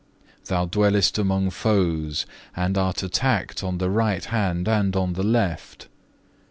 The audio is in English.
Thou dwellest among foes, and art attacked on the right hand and on the left.